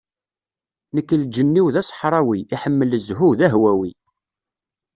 Nekk lǧenn-iw d aṣeḥrawi, iḥemmel zzhu, d ahwawi.